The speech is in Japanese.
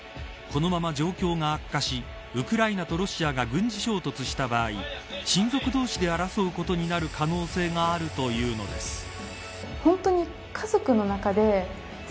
このまま状況が悪化しウクライナとロシアが軍事衝突した場合親族同士で争うことになる可能性があるというのです。